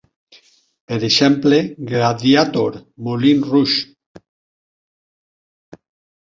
Per exemple, "Gladiator", "Moulin Rouge!